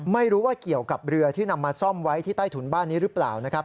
ไม่รู้ว่าเกี่ยวกับเรือที่นำมาซ่อมไว้ที่ใต้ถุนบ้านนี้หรือเปล่านะครับ